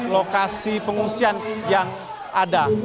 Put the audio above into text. lokasi pengungsian yang ada